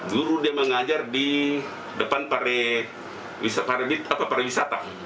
guru dia mengajar di depan pariwisata